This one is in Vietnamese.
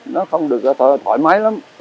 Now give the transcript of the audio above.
nó không được thoải mái lắm